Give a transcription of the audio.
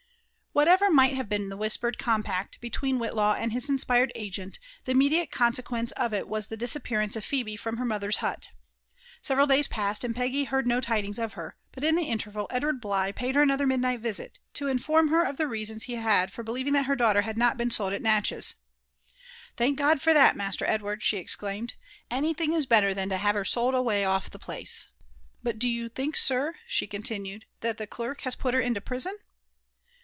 Whatever might have been the whispered compact between Whit law and his inspired agent, the immediate consequence of it was the disappearance of Phebe from her mother's hut. Several days passed, and Peggy heard no tidings of her ; but in the interval Edward Bligh paid her another midnight visit, to inform her of the reasons he had for believing that her daughter had not been sold at Natchez. ''Thank God for that. Master Edward I" she exclaimed. ''Any thing is better than to have her sold away off the place. — ^But do yoil think, sir," she continued, *' that the clerk has put her into prison?"